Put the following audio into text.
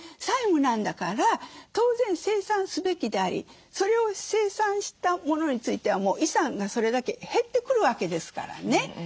債務なんだから当然清算すべきでありそれを清算したものについては遺産がそれだけ減ってくるわけですからね。